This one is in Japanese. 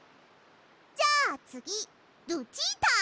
じゃあつぎルチータ！